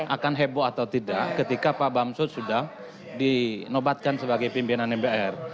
akan heboh atau tidak ketika pak bamsud sudah dinobatkan sebagai pimpinan mpr